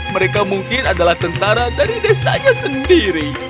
mereka mungkin adalah tentara dari desanya sendiri